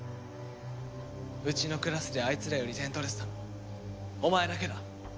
うちのクラスであいつらより点取れてたのお前だけだ。